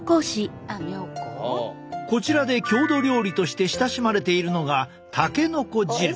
こちらで郷土料理として親しまれているのがたけのこ汁。